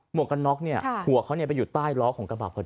วกกันน็อกเนี่ยหัวเขาไปอยู่ใต้ล้อของกระบะพอดี